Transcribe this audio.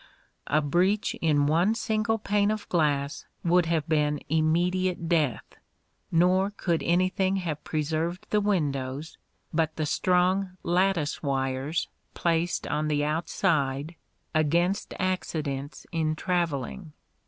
A breach in one single pane of glass would have been immediate death: nor could anything have preserved the windows, but the strong lattice wires placed on the outside, against accidents in travelling.